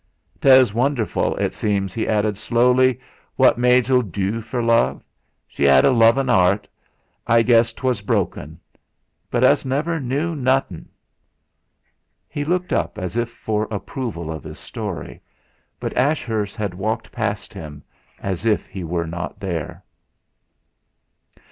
"'Tes wonderful, et seems," he added slowly, "what maids 'll du for love. She 'ad a lovin '.art; I guess 'twas broken. But us never knu nothin'." He looked up as if for approval of his story, but Ashurst had walked past him as if he were not there.